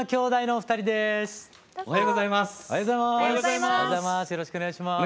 おはようございます。